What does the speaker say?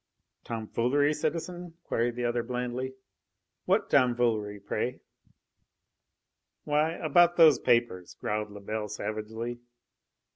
"Tomfoolery, citizen?" queried the other blandly. "What tomfoolery, pray?" "Why, about those papers!" growled Lebel savagely.